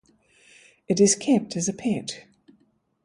It is kept as a pet.